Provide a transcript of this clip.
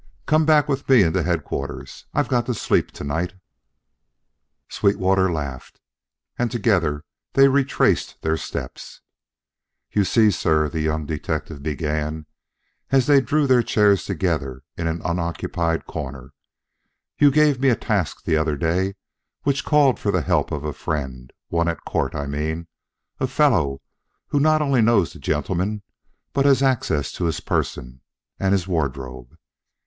Come back with me into Headquarters. I've got to sleep to night." Sweetwater laughed, and together they retraced their steps. "You see, sir," the young detective began as they drew their chairs together in an unoccupied corner, "you gave me a task the other day which called for the help of a friend one at court, I mean, a fellow who not only knows the gentleman but has access to his person and his wardrobe.